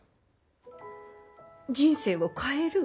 人生を変える？